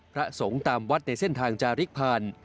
พระสงฆ์ตามวัดในเส้นทางจาริกผ่าน